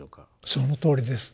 そのとおりです。